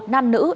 đã bị bắt